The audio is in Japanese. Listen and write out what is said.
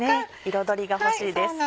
彩りが欲しいです。